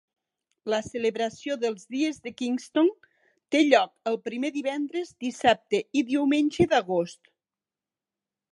La celebració dels dies de Kingston té lloc el primer divendres, dissabte i diumenge d'agost.